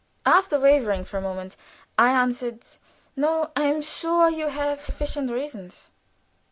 After wavering for a moment, I answered: "No. I am sure you have sufficient reasons."